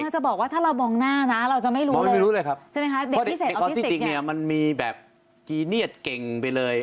จริงไอ้กอลทิสติกนี่มันมีแบบกิเนียทเก่งไปเลย